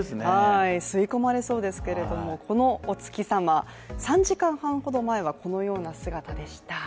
吸い込まれそうですけれどもこのお月様、３時間半ほど前にはこのような姿でした。